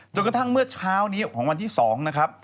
กระทั่งเมื่อเช้านี้ของวันที่๒นะครับ